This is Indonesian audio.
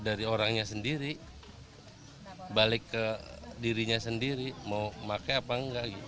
dari orangnya sendiri balik ke dirinya sendiri mau pakai apa enggak